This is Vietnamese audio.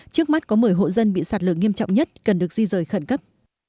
trước mắt có một mươi hộ dân bị sạt lở nghiêm trọng nhất cần được di rời khẩn cấp